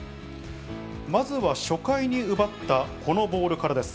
まずは初回に奪ったこのボールからです。